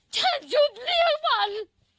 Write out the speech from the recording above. ฉันชุบเลี้ยงมัน